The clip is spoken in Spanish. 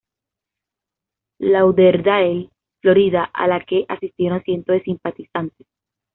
Lauderdale, Florida, a la que asistieron cientos de simpatizantes.